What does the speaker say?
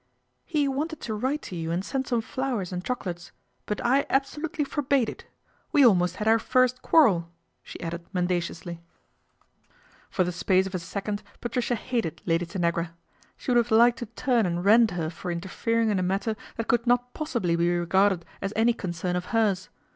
" He wanted to write to you and send some flowers and chocolates ; but I absolutely forbade it. We almost had our first quarrel," she added mendaciously. 280 PATRICIA BRENT, SPINSTER For the space of a second Patricia hated Lady Tanagra* She would have liked to turn and rend her for interfering in a matter that could not possibly be regarded as any concern of hers.